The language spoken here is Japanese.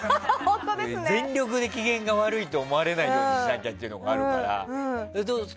全力で機嫌が悪いと思われないようにしなきゃってのがあるから。